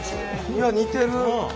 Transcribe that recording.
いや似てる！